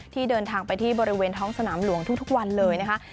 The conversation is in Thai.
เดินทางไปที่บริเวณท้องสนามหลวงทุกวันเลยนะคะ